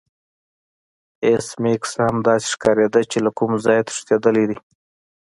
ایس میکس هم داسې ښکاریده چې له کوم ځای تښتیدلی دی